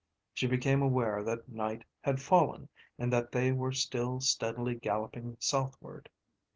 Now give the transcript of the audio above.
She became aware that night had fallen, and that they were still steadily galloping southward.